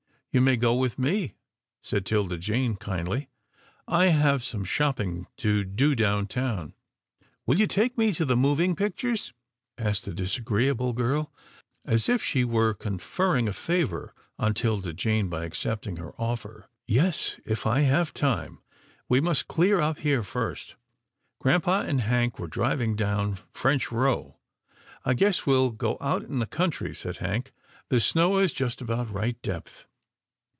" You may go with me," said 'Tilda Jane, kindly, " I have some shopping to do down town." " Will you take me to the moving pictures ?" asked the disagreeable girl, as if she were con ferring a favour on 'Tilda Jane by accepting her offer. " Yes, if I have time. We must clear up here first." Grampa and Hank were driving down French Row. " I guess we'll go out in the country," said Hank, " the snow is just about right depth."